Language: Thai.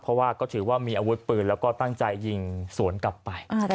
เพราะว่าก็ถือว่ามีอาวุธปืนแล้วก็ตั้งใจยิงสวนกลับไป